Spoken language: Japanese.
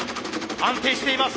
安定しています。